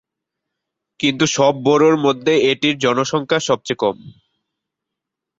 কিন্তু সব বরোর মধ্যে এটির জনসংখ্যা সবচেয়ে কম।